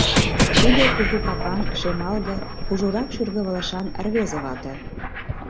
Тиде кугу капан, шемалге, кужурак шӱргывылышан рвезе вате.